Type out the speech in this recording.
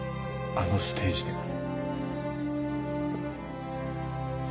あのステージで。